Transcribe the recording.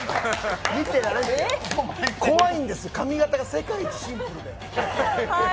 怖いんです、髪形が世界一シンプルで。